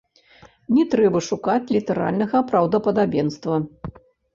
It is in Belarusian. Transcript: Не трэба шукаць літаральнага праўдападабенства.